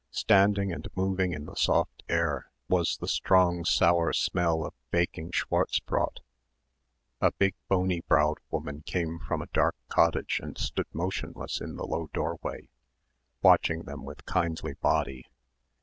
Standing and moving in the soft air was the strong sour smell of baking schwarzbrot. A big bony browed woman came from a dark cottage and stood motionless in the low doorway, watching them with kindly body.